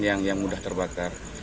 pembakaran yang mudah terbakar